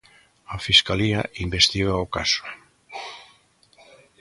A Fiscalía investiga o caso.